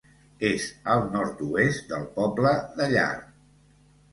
És al nord-oest del poble de Llar.